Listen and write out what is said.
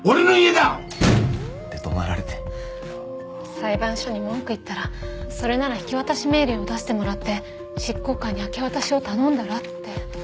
裁判所に文句言ったらそれなら引渡命令を出してもらって執行官に明け渡しを頼んだらって。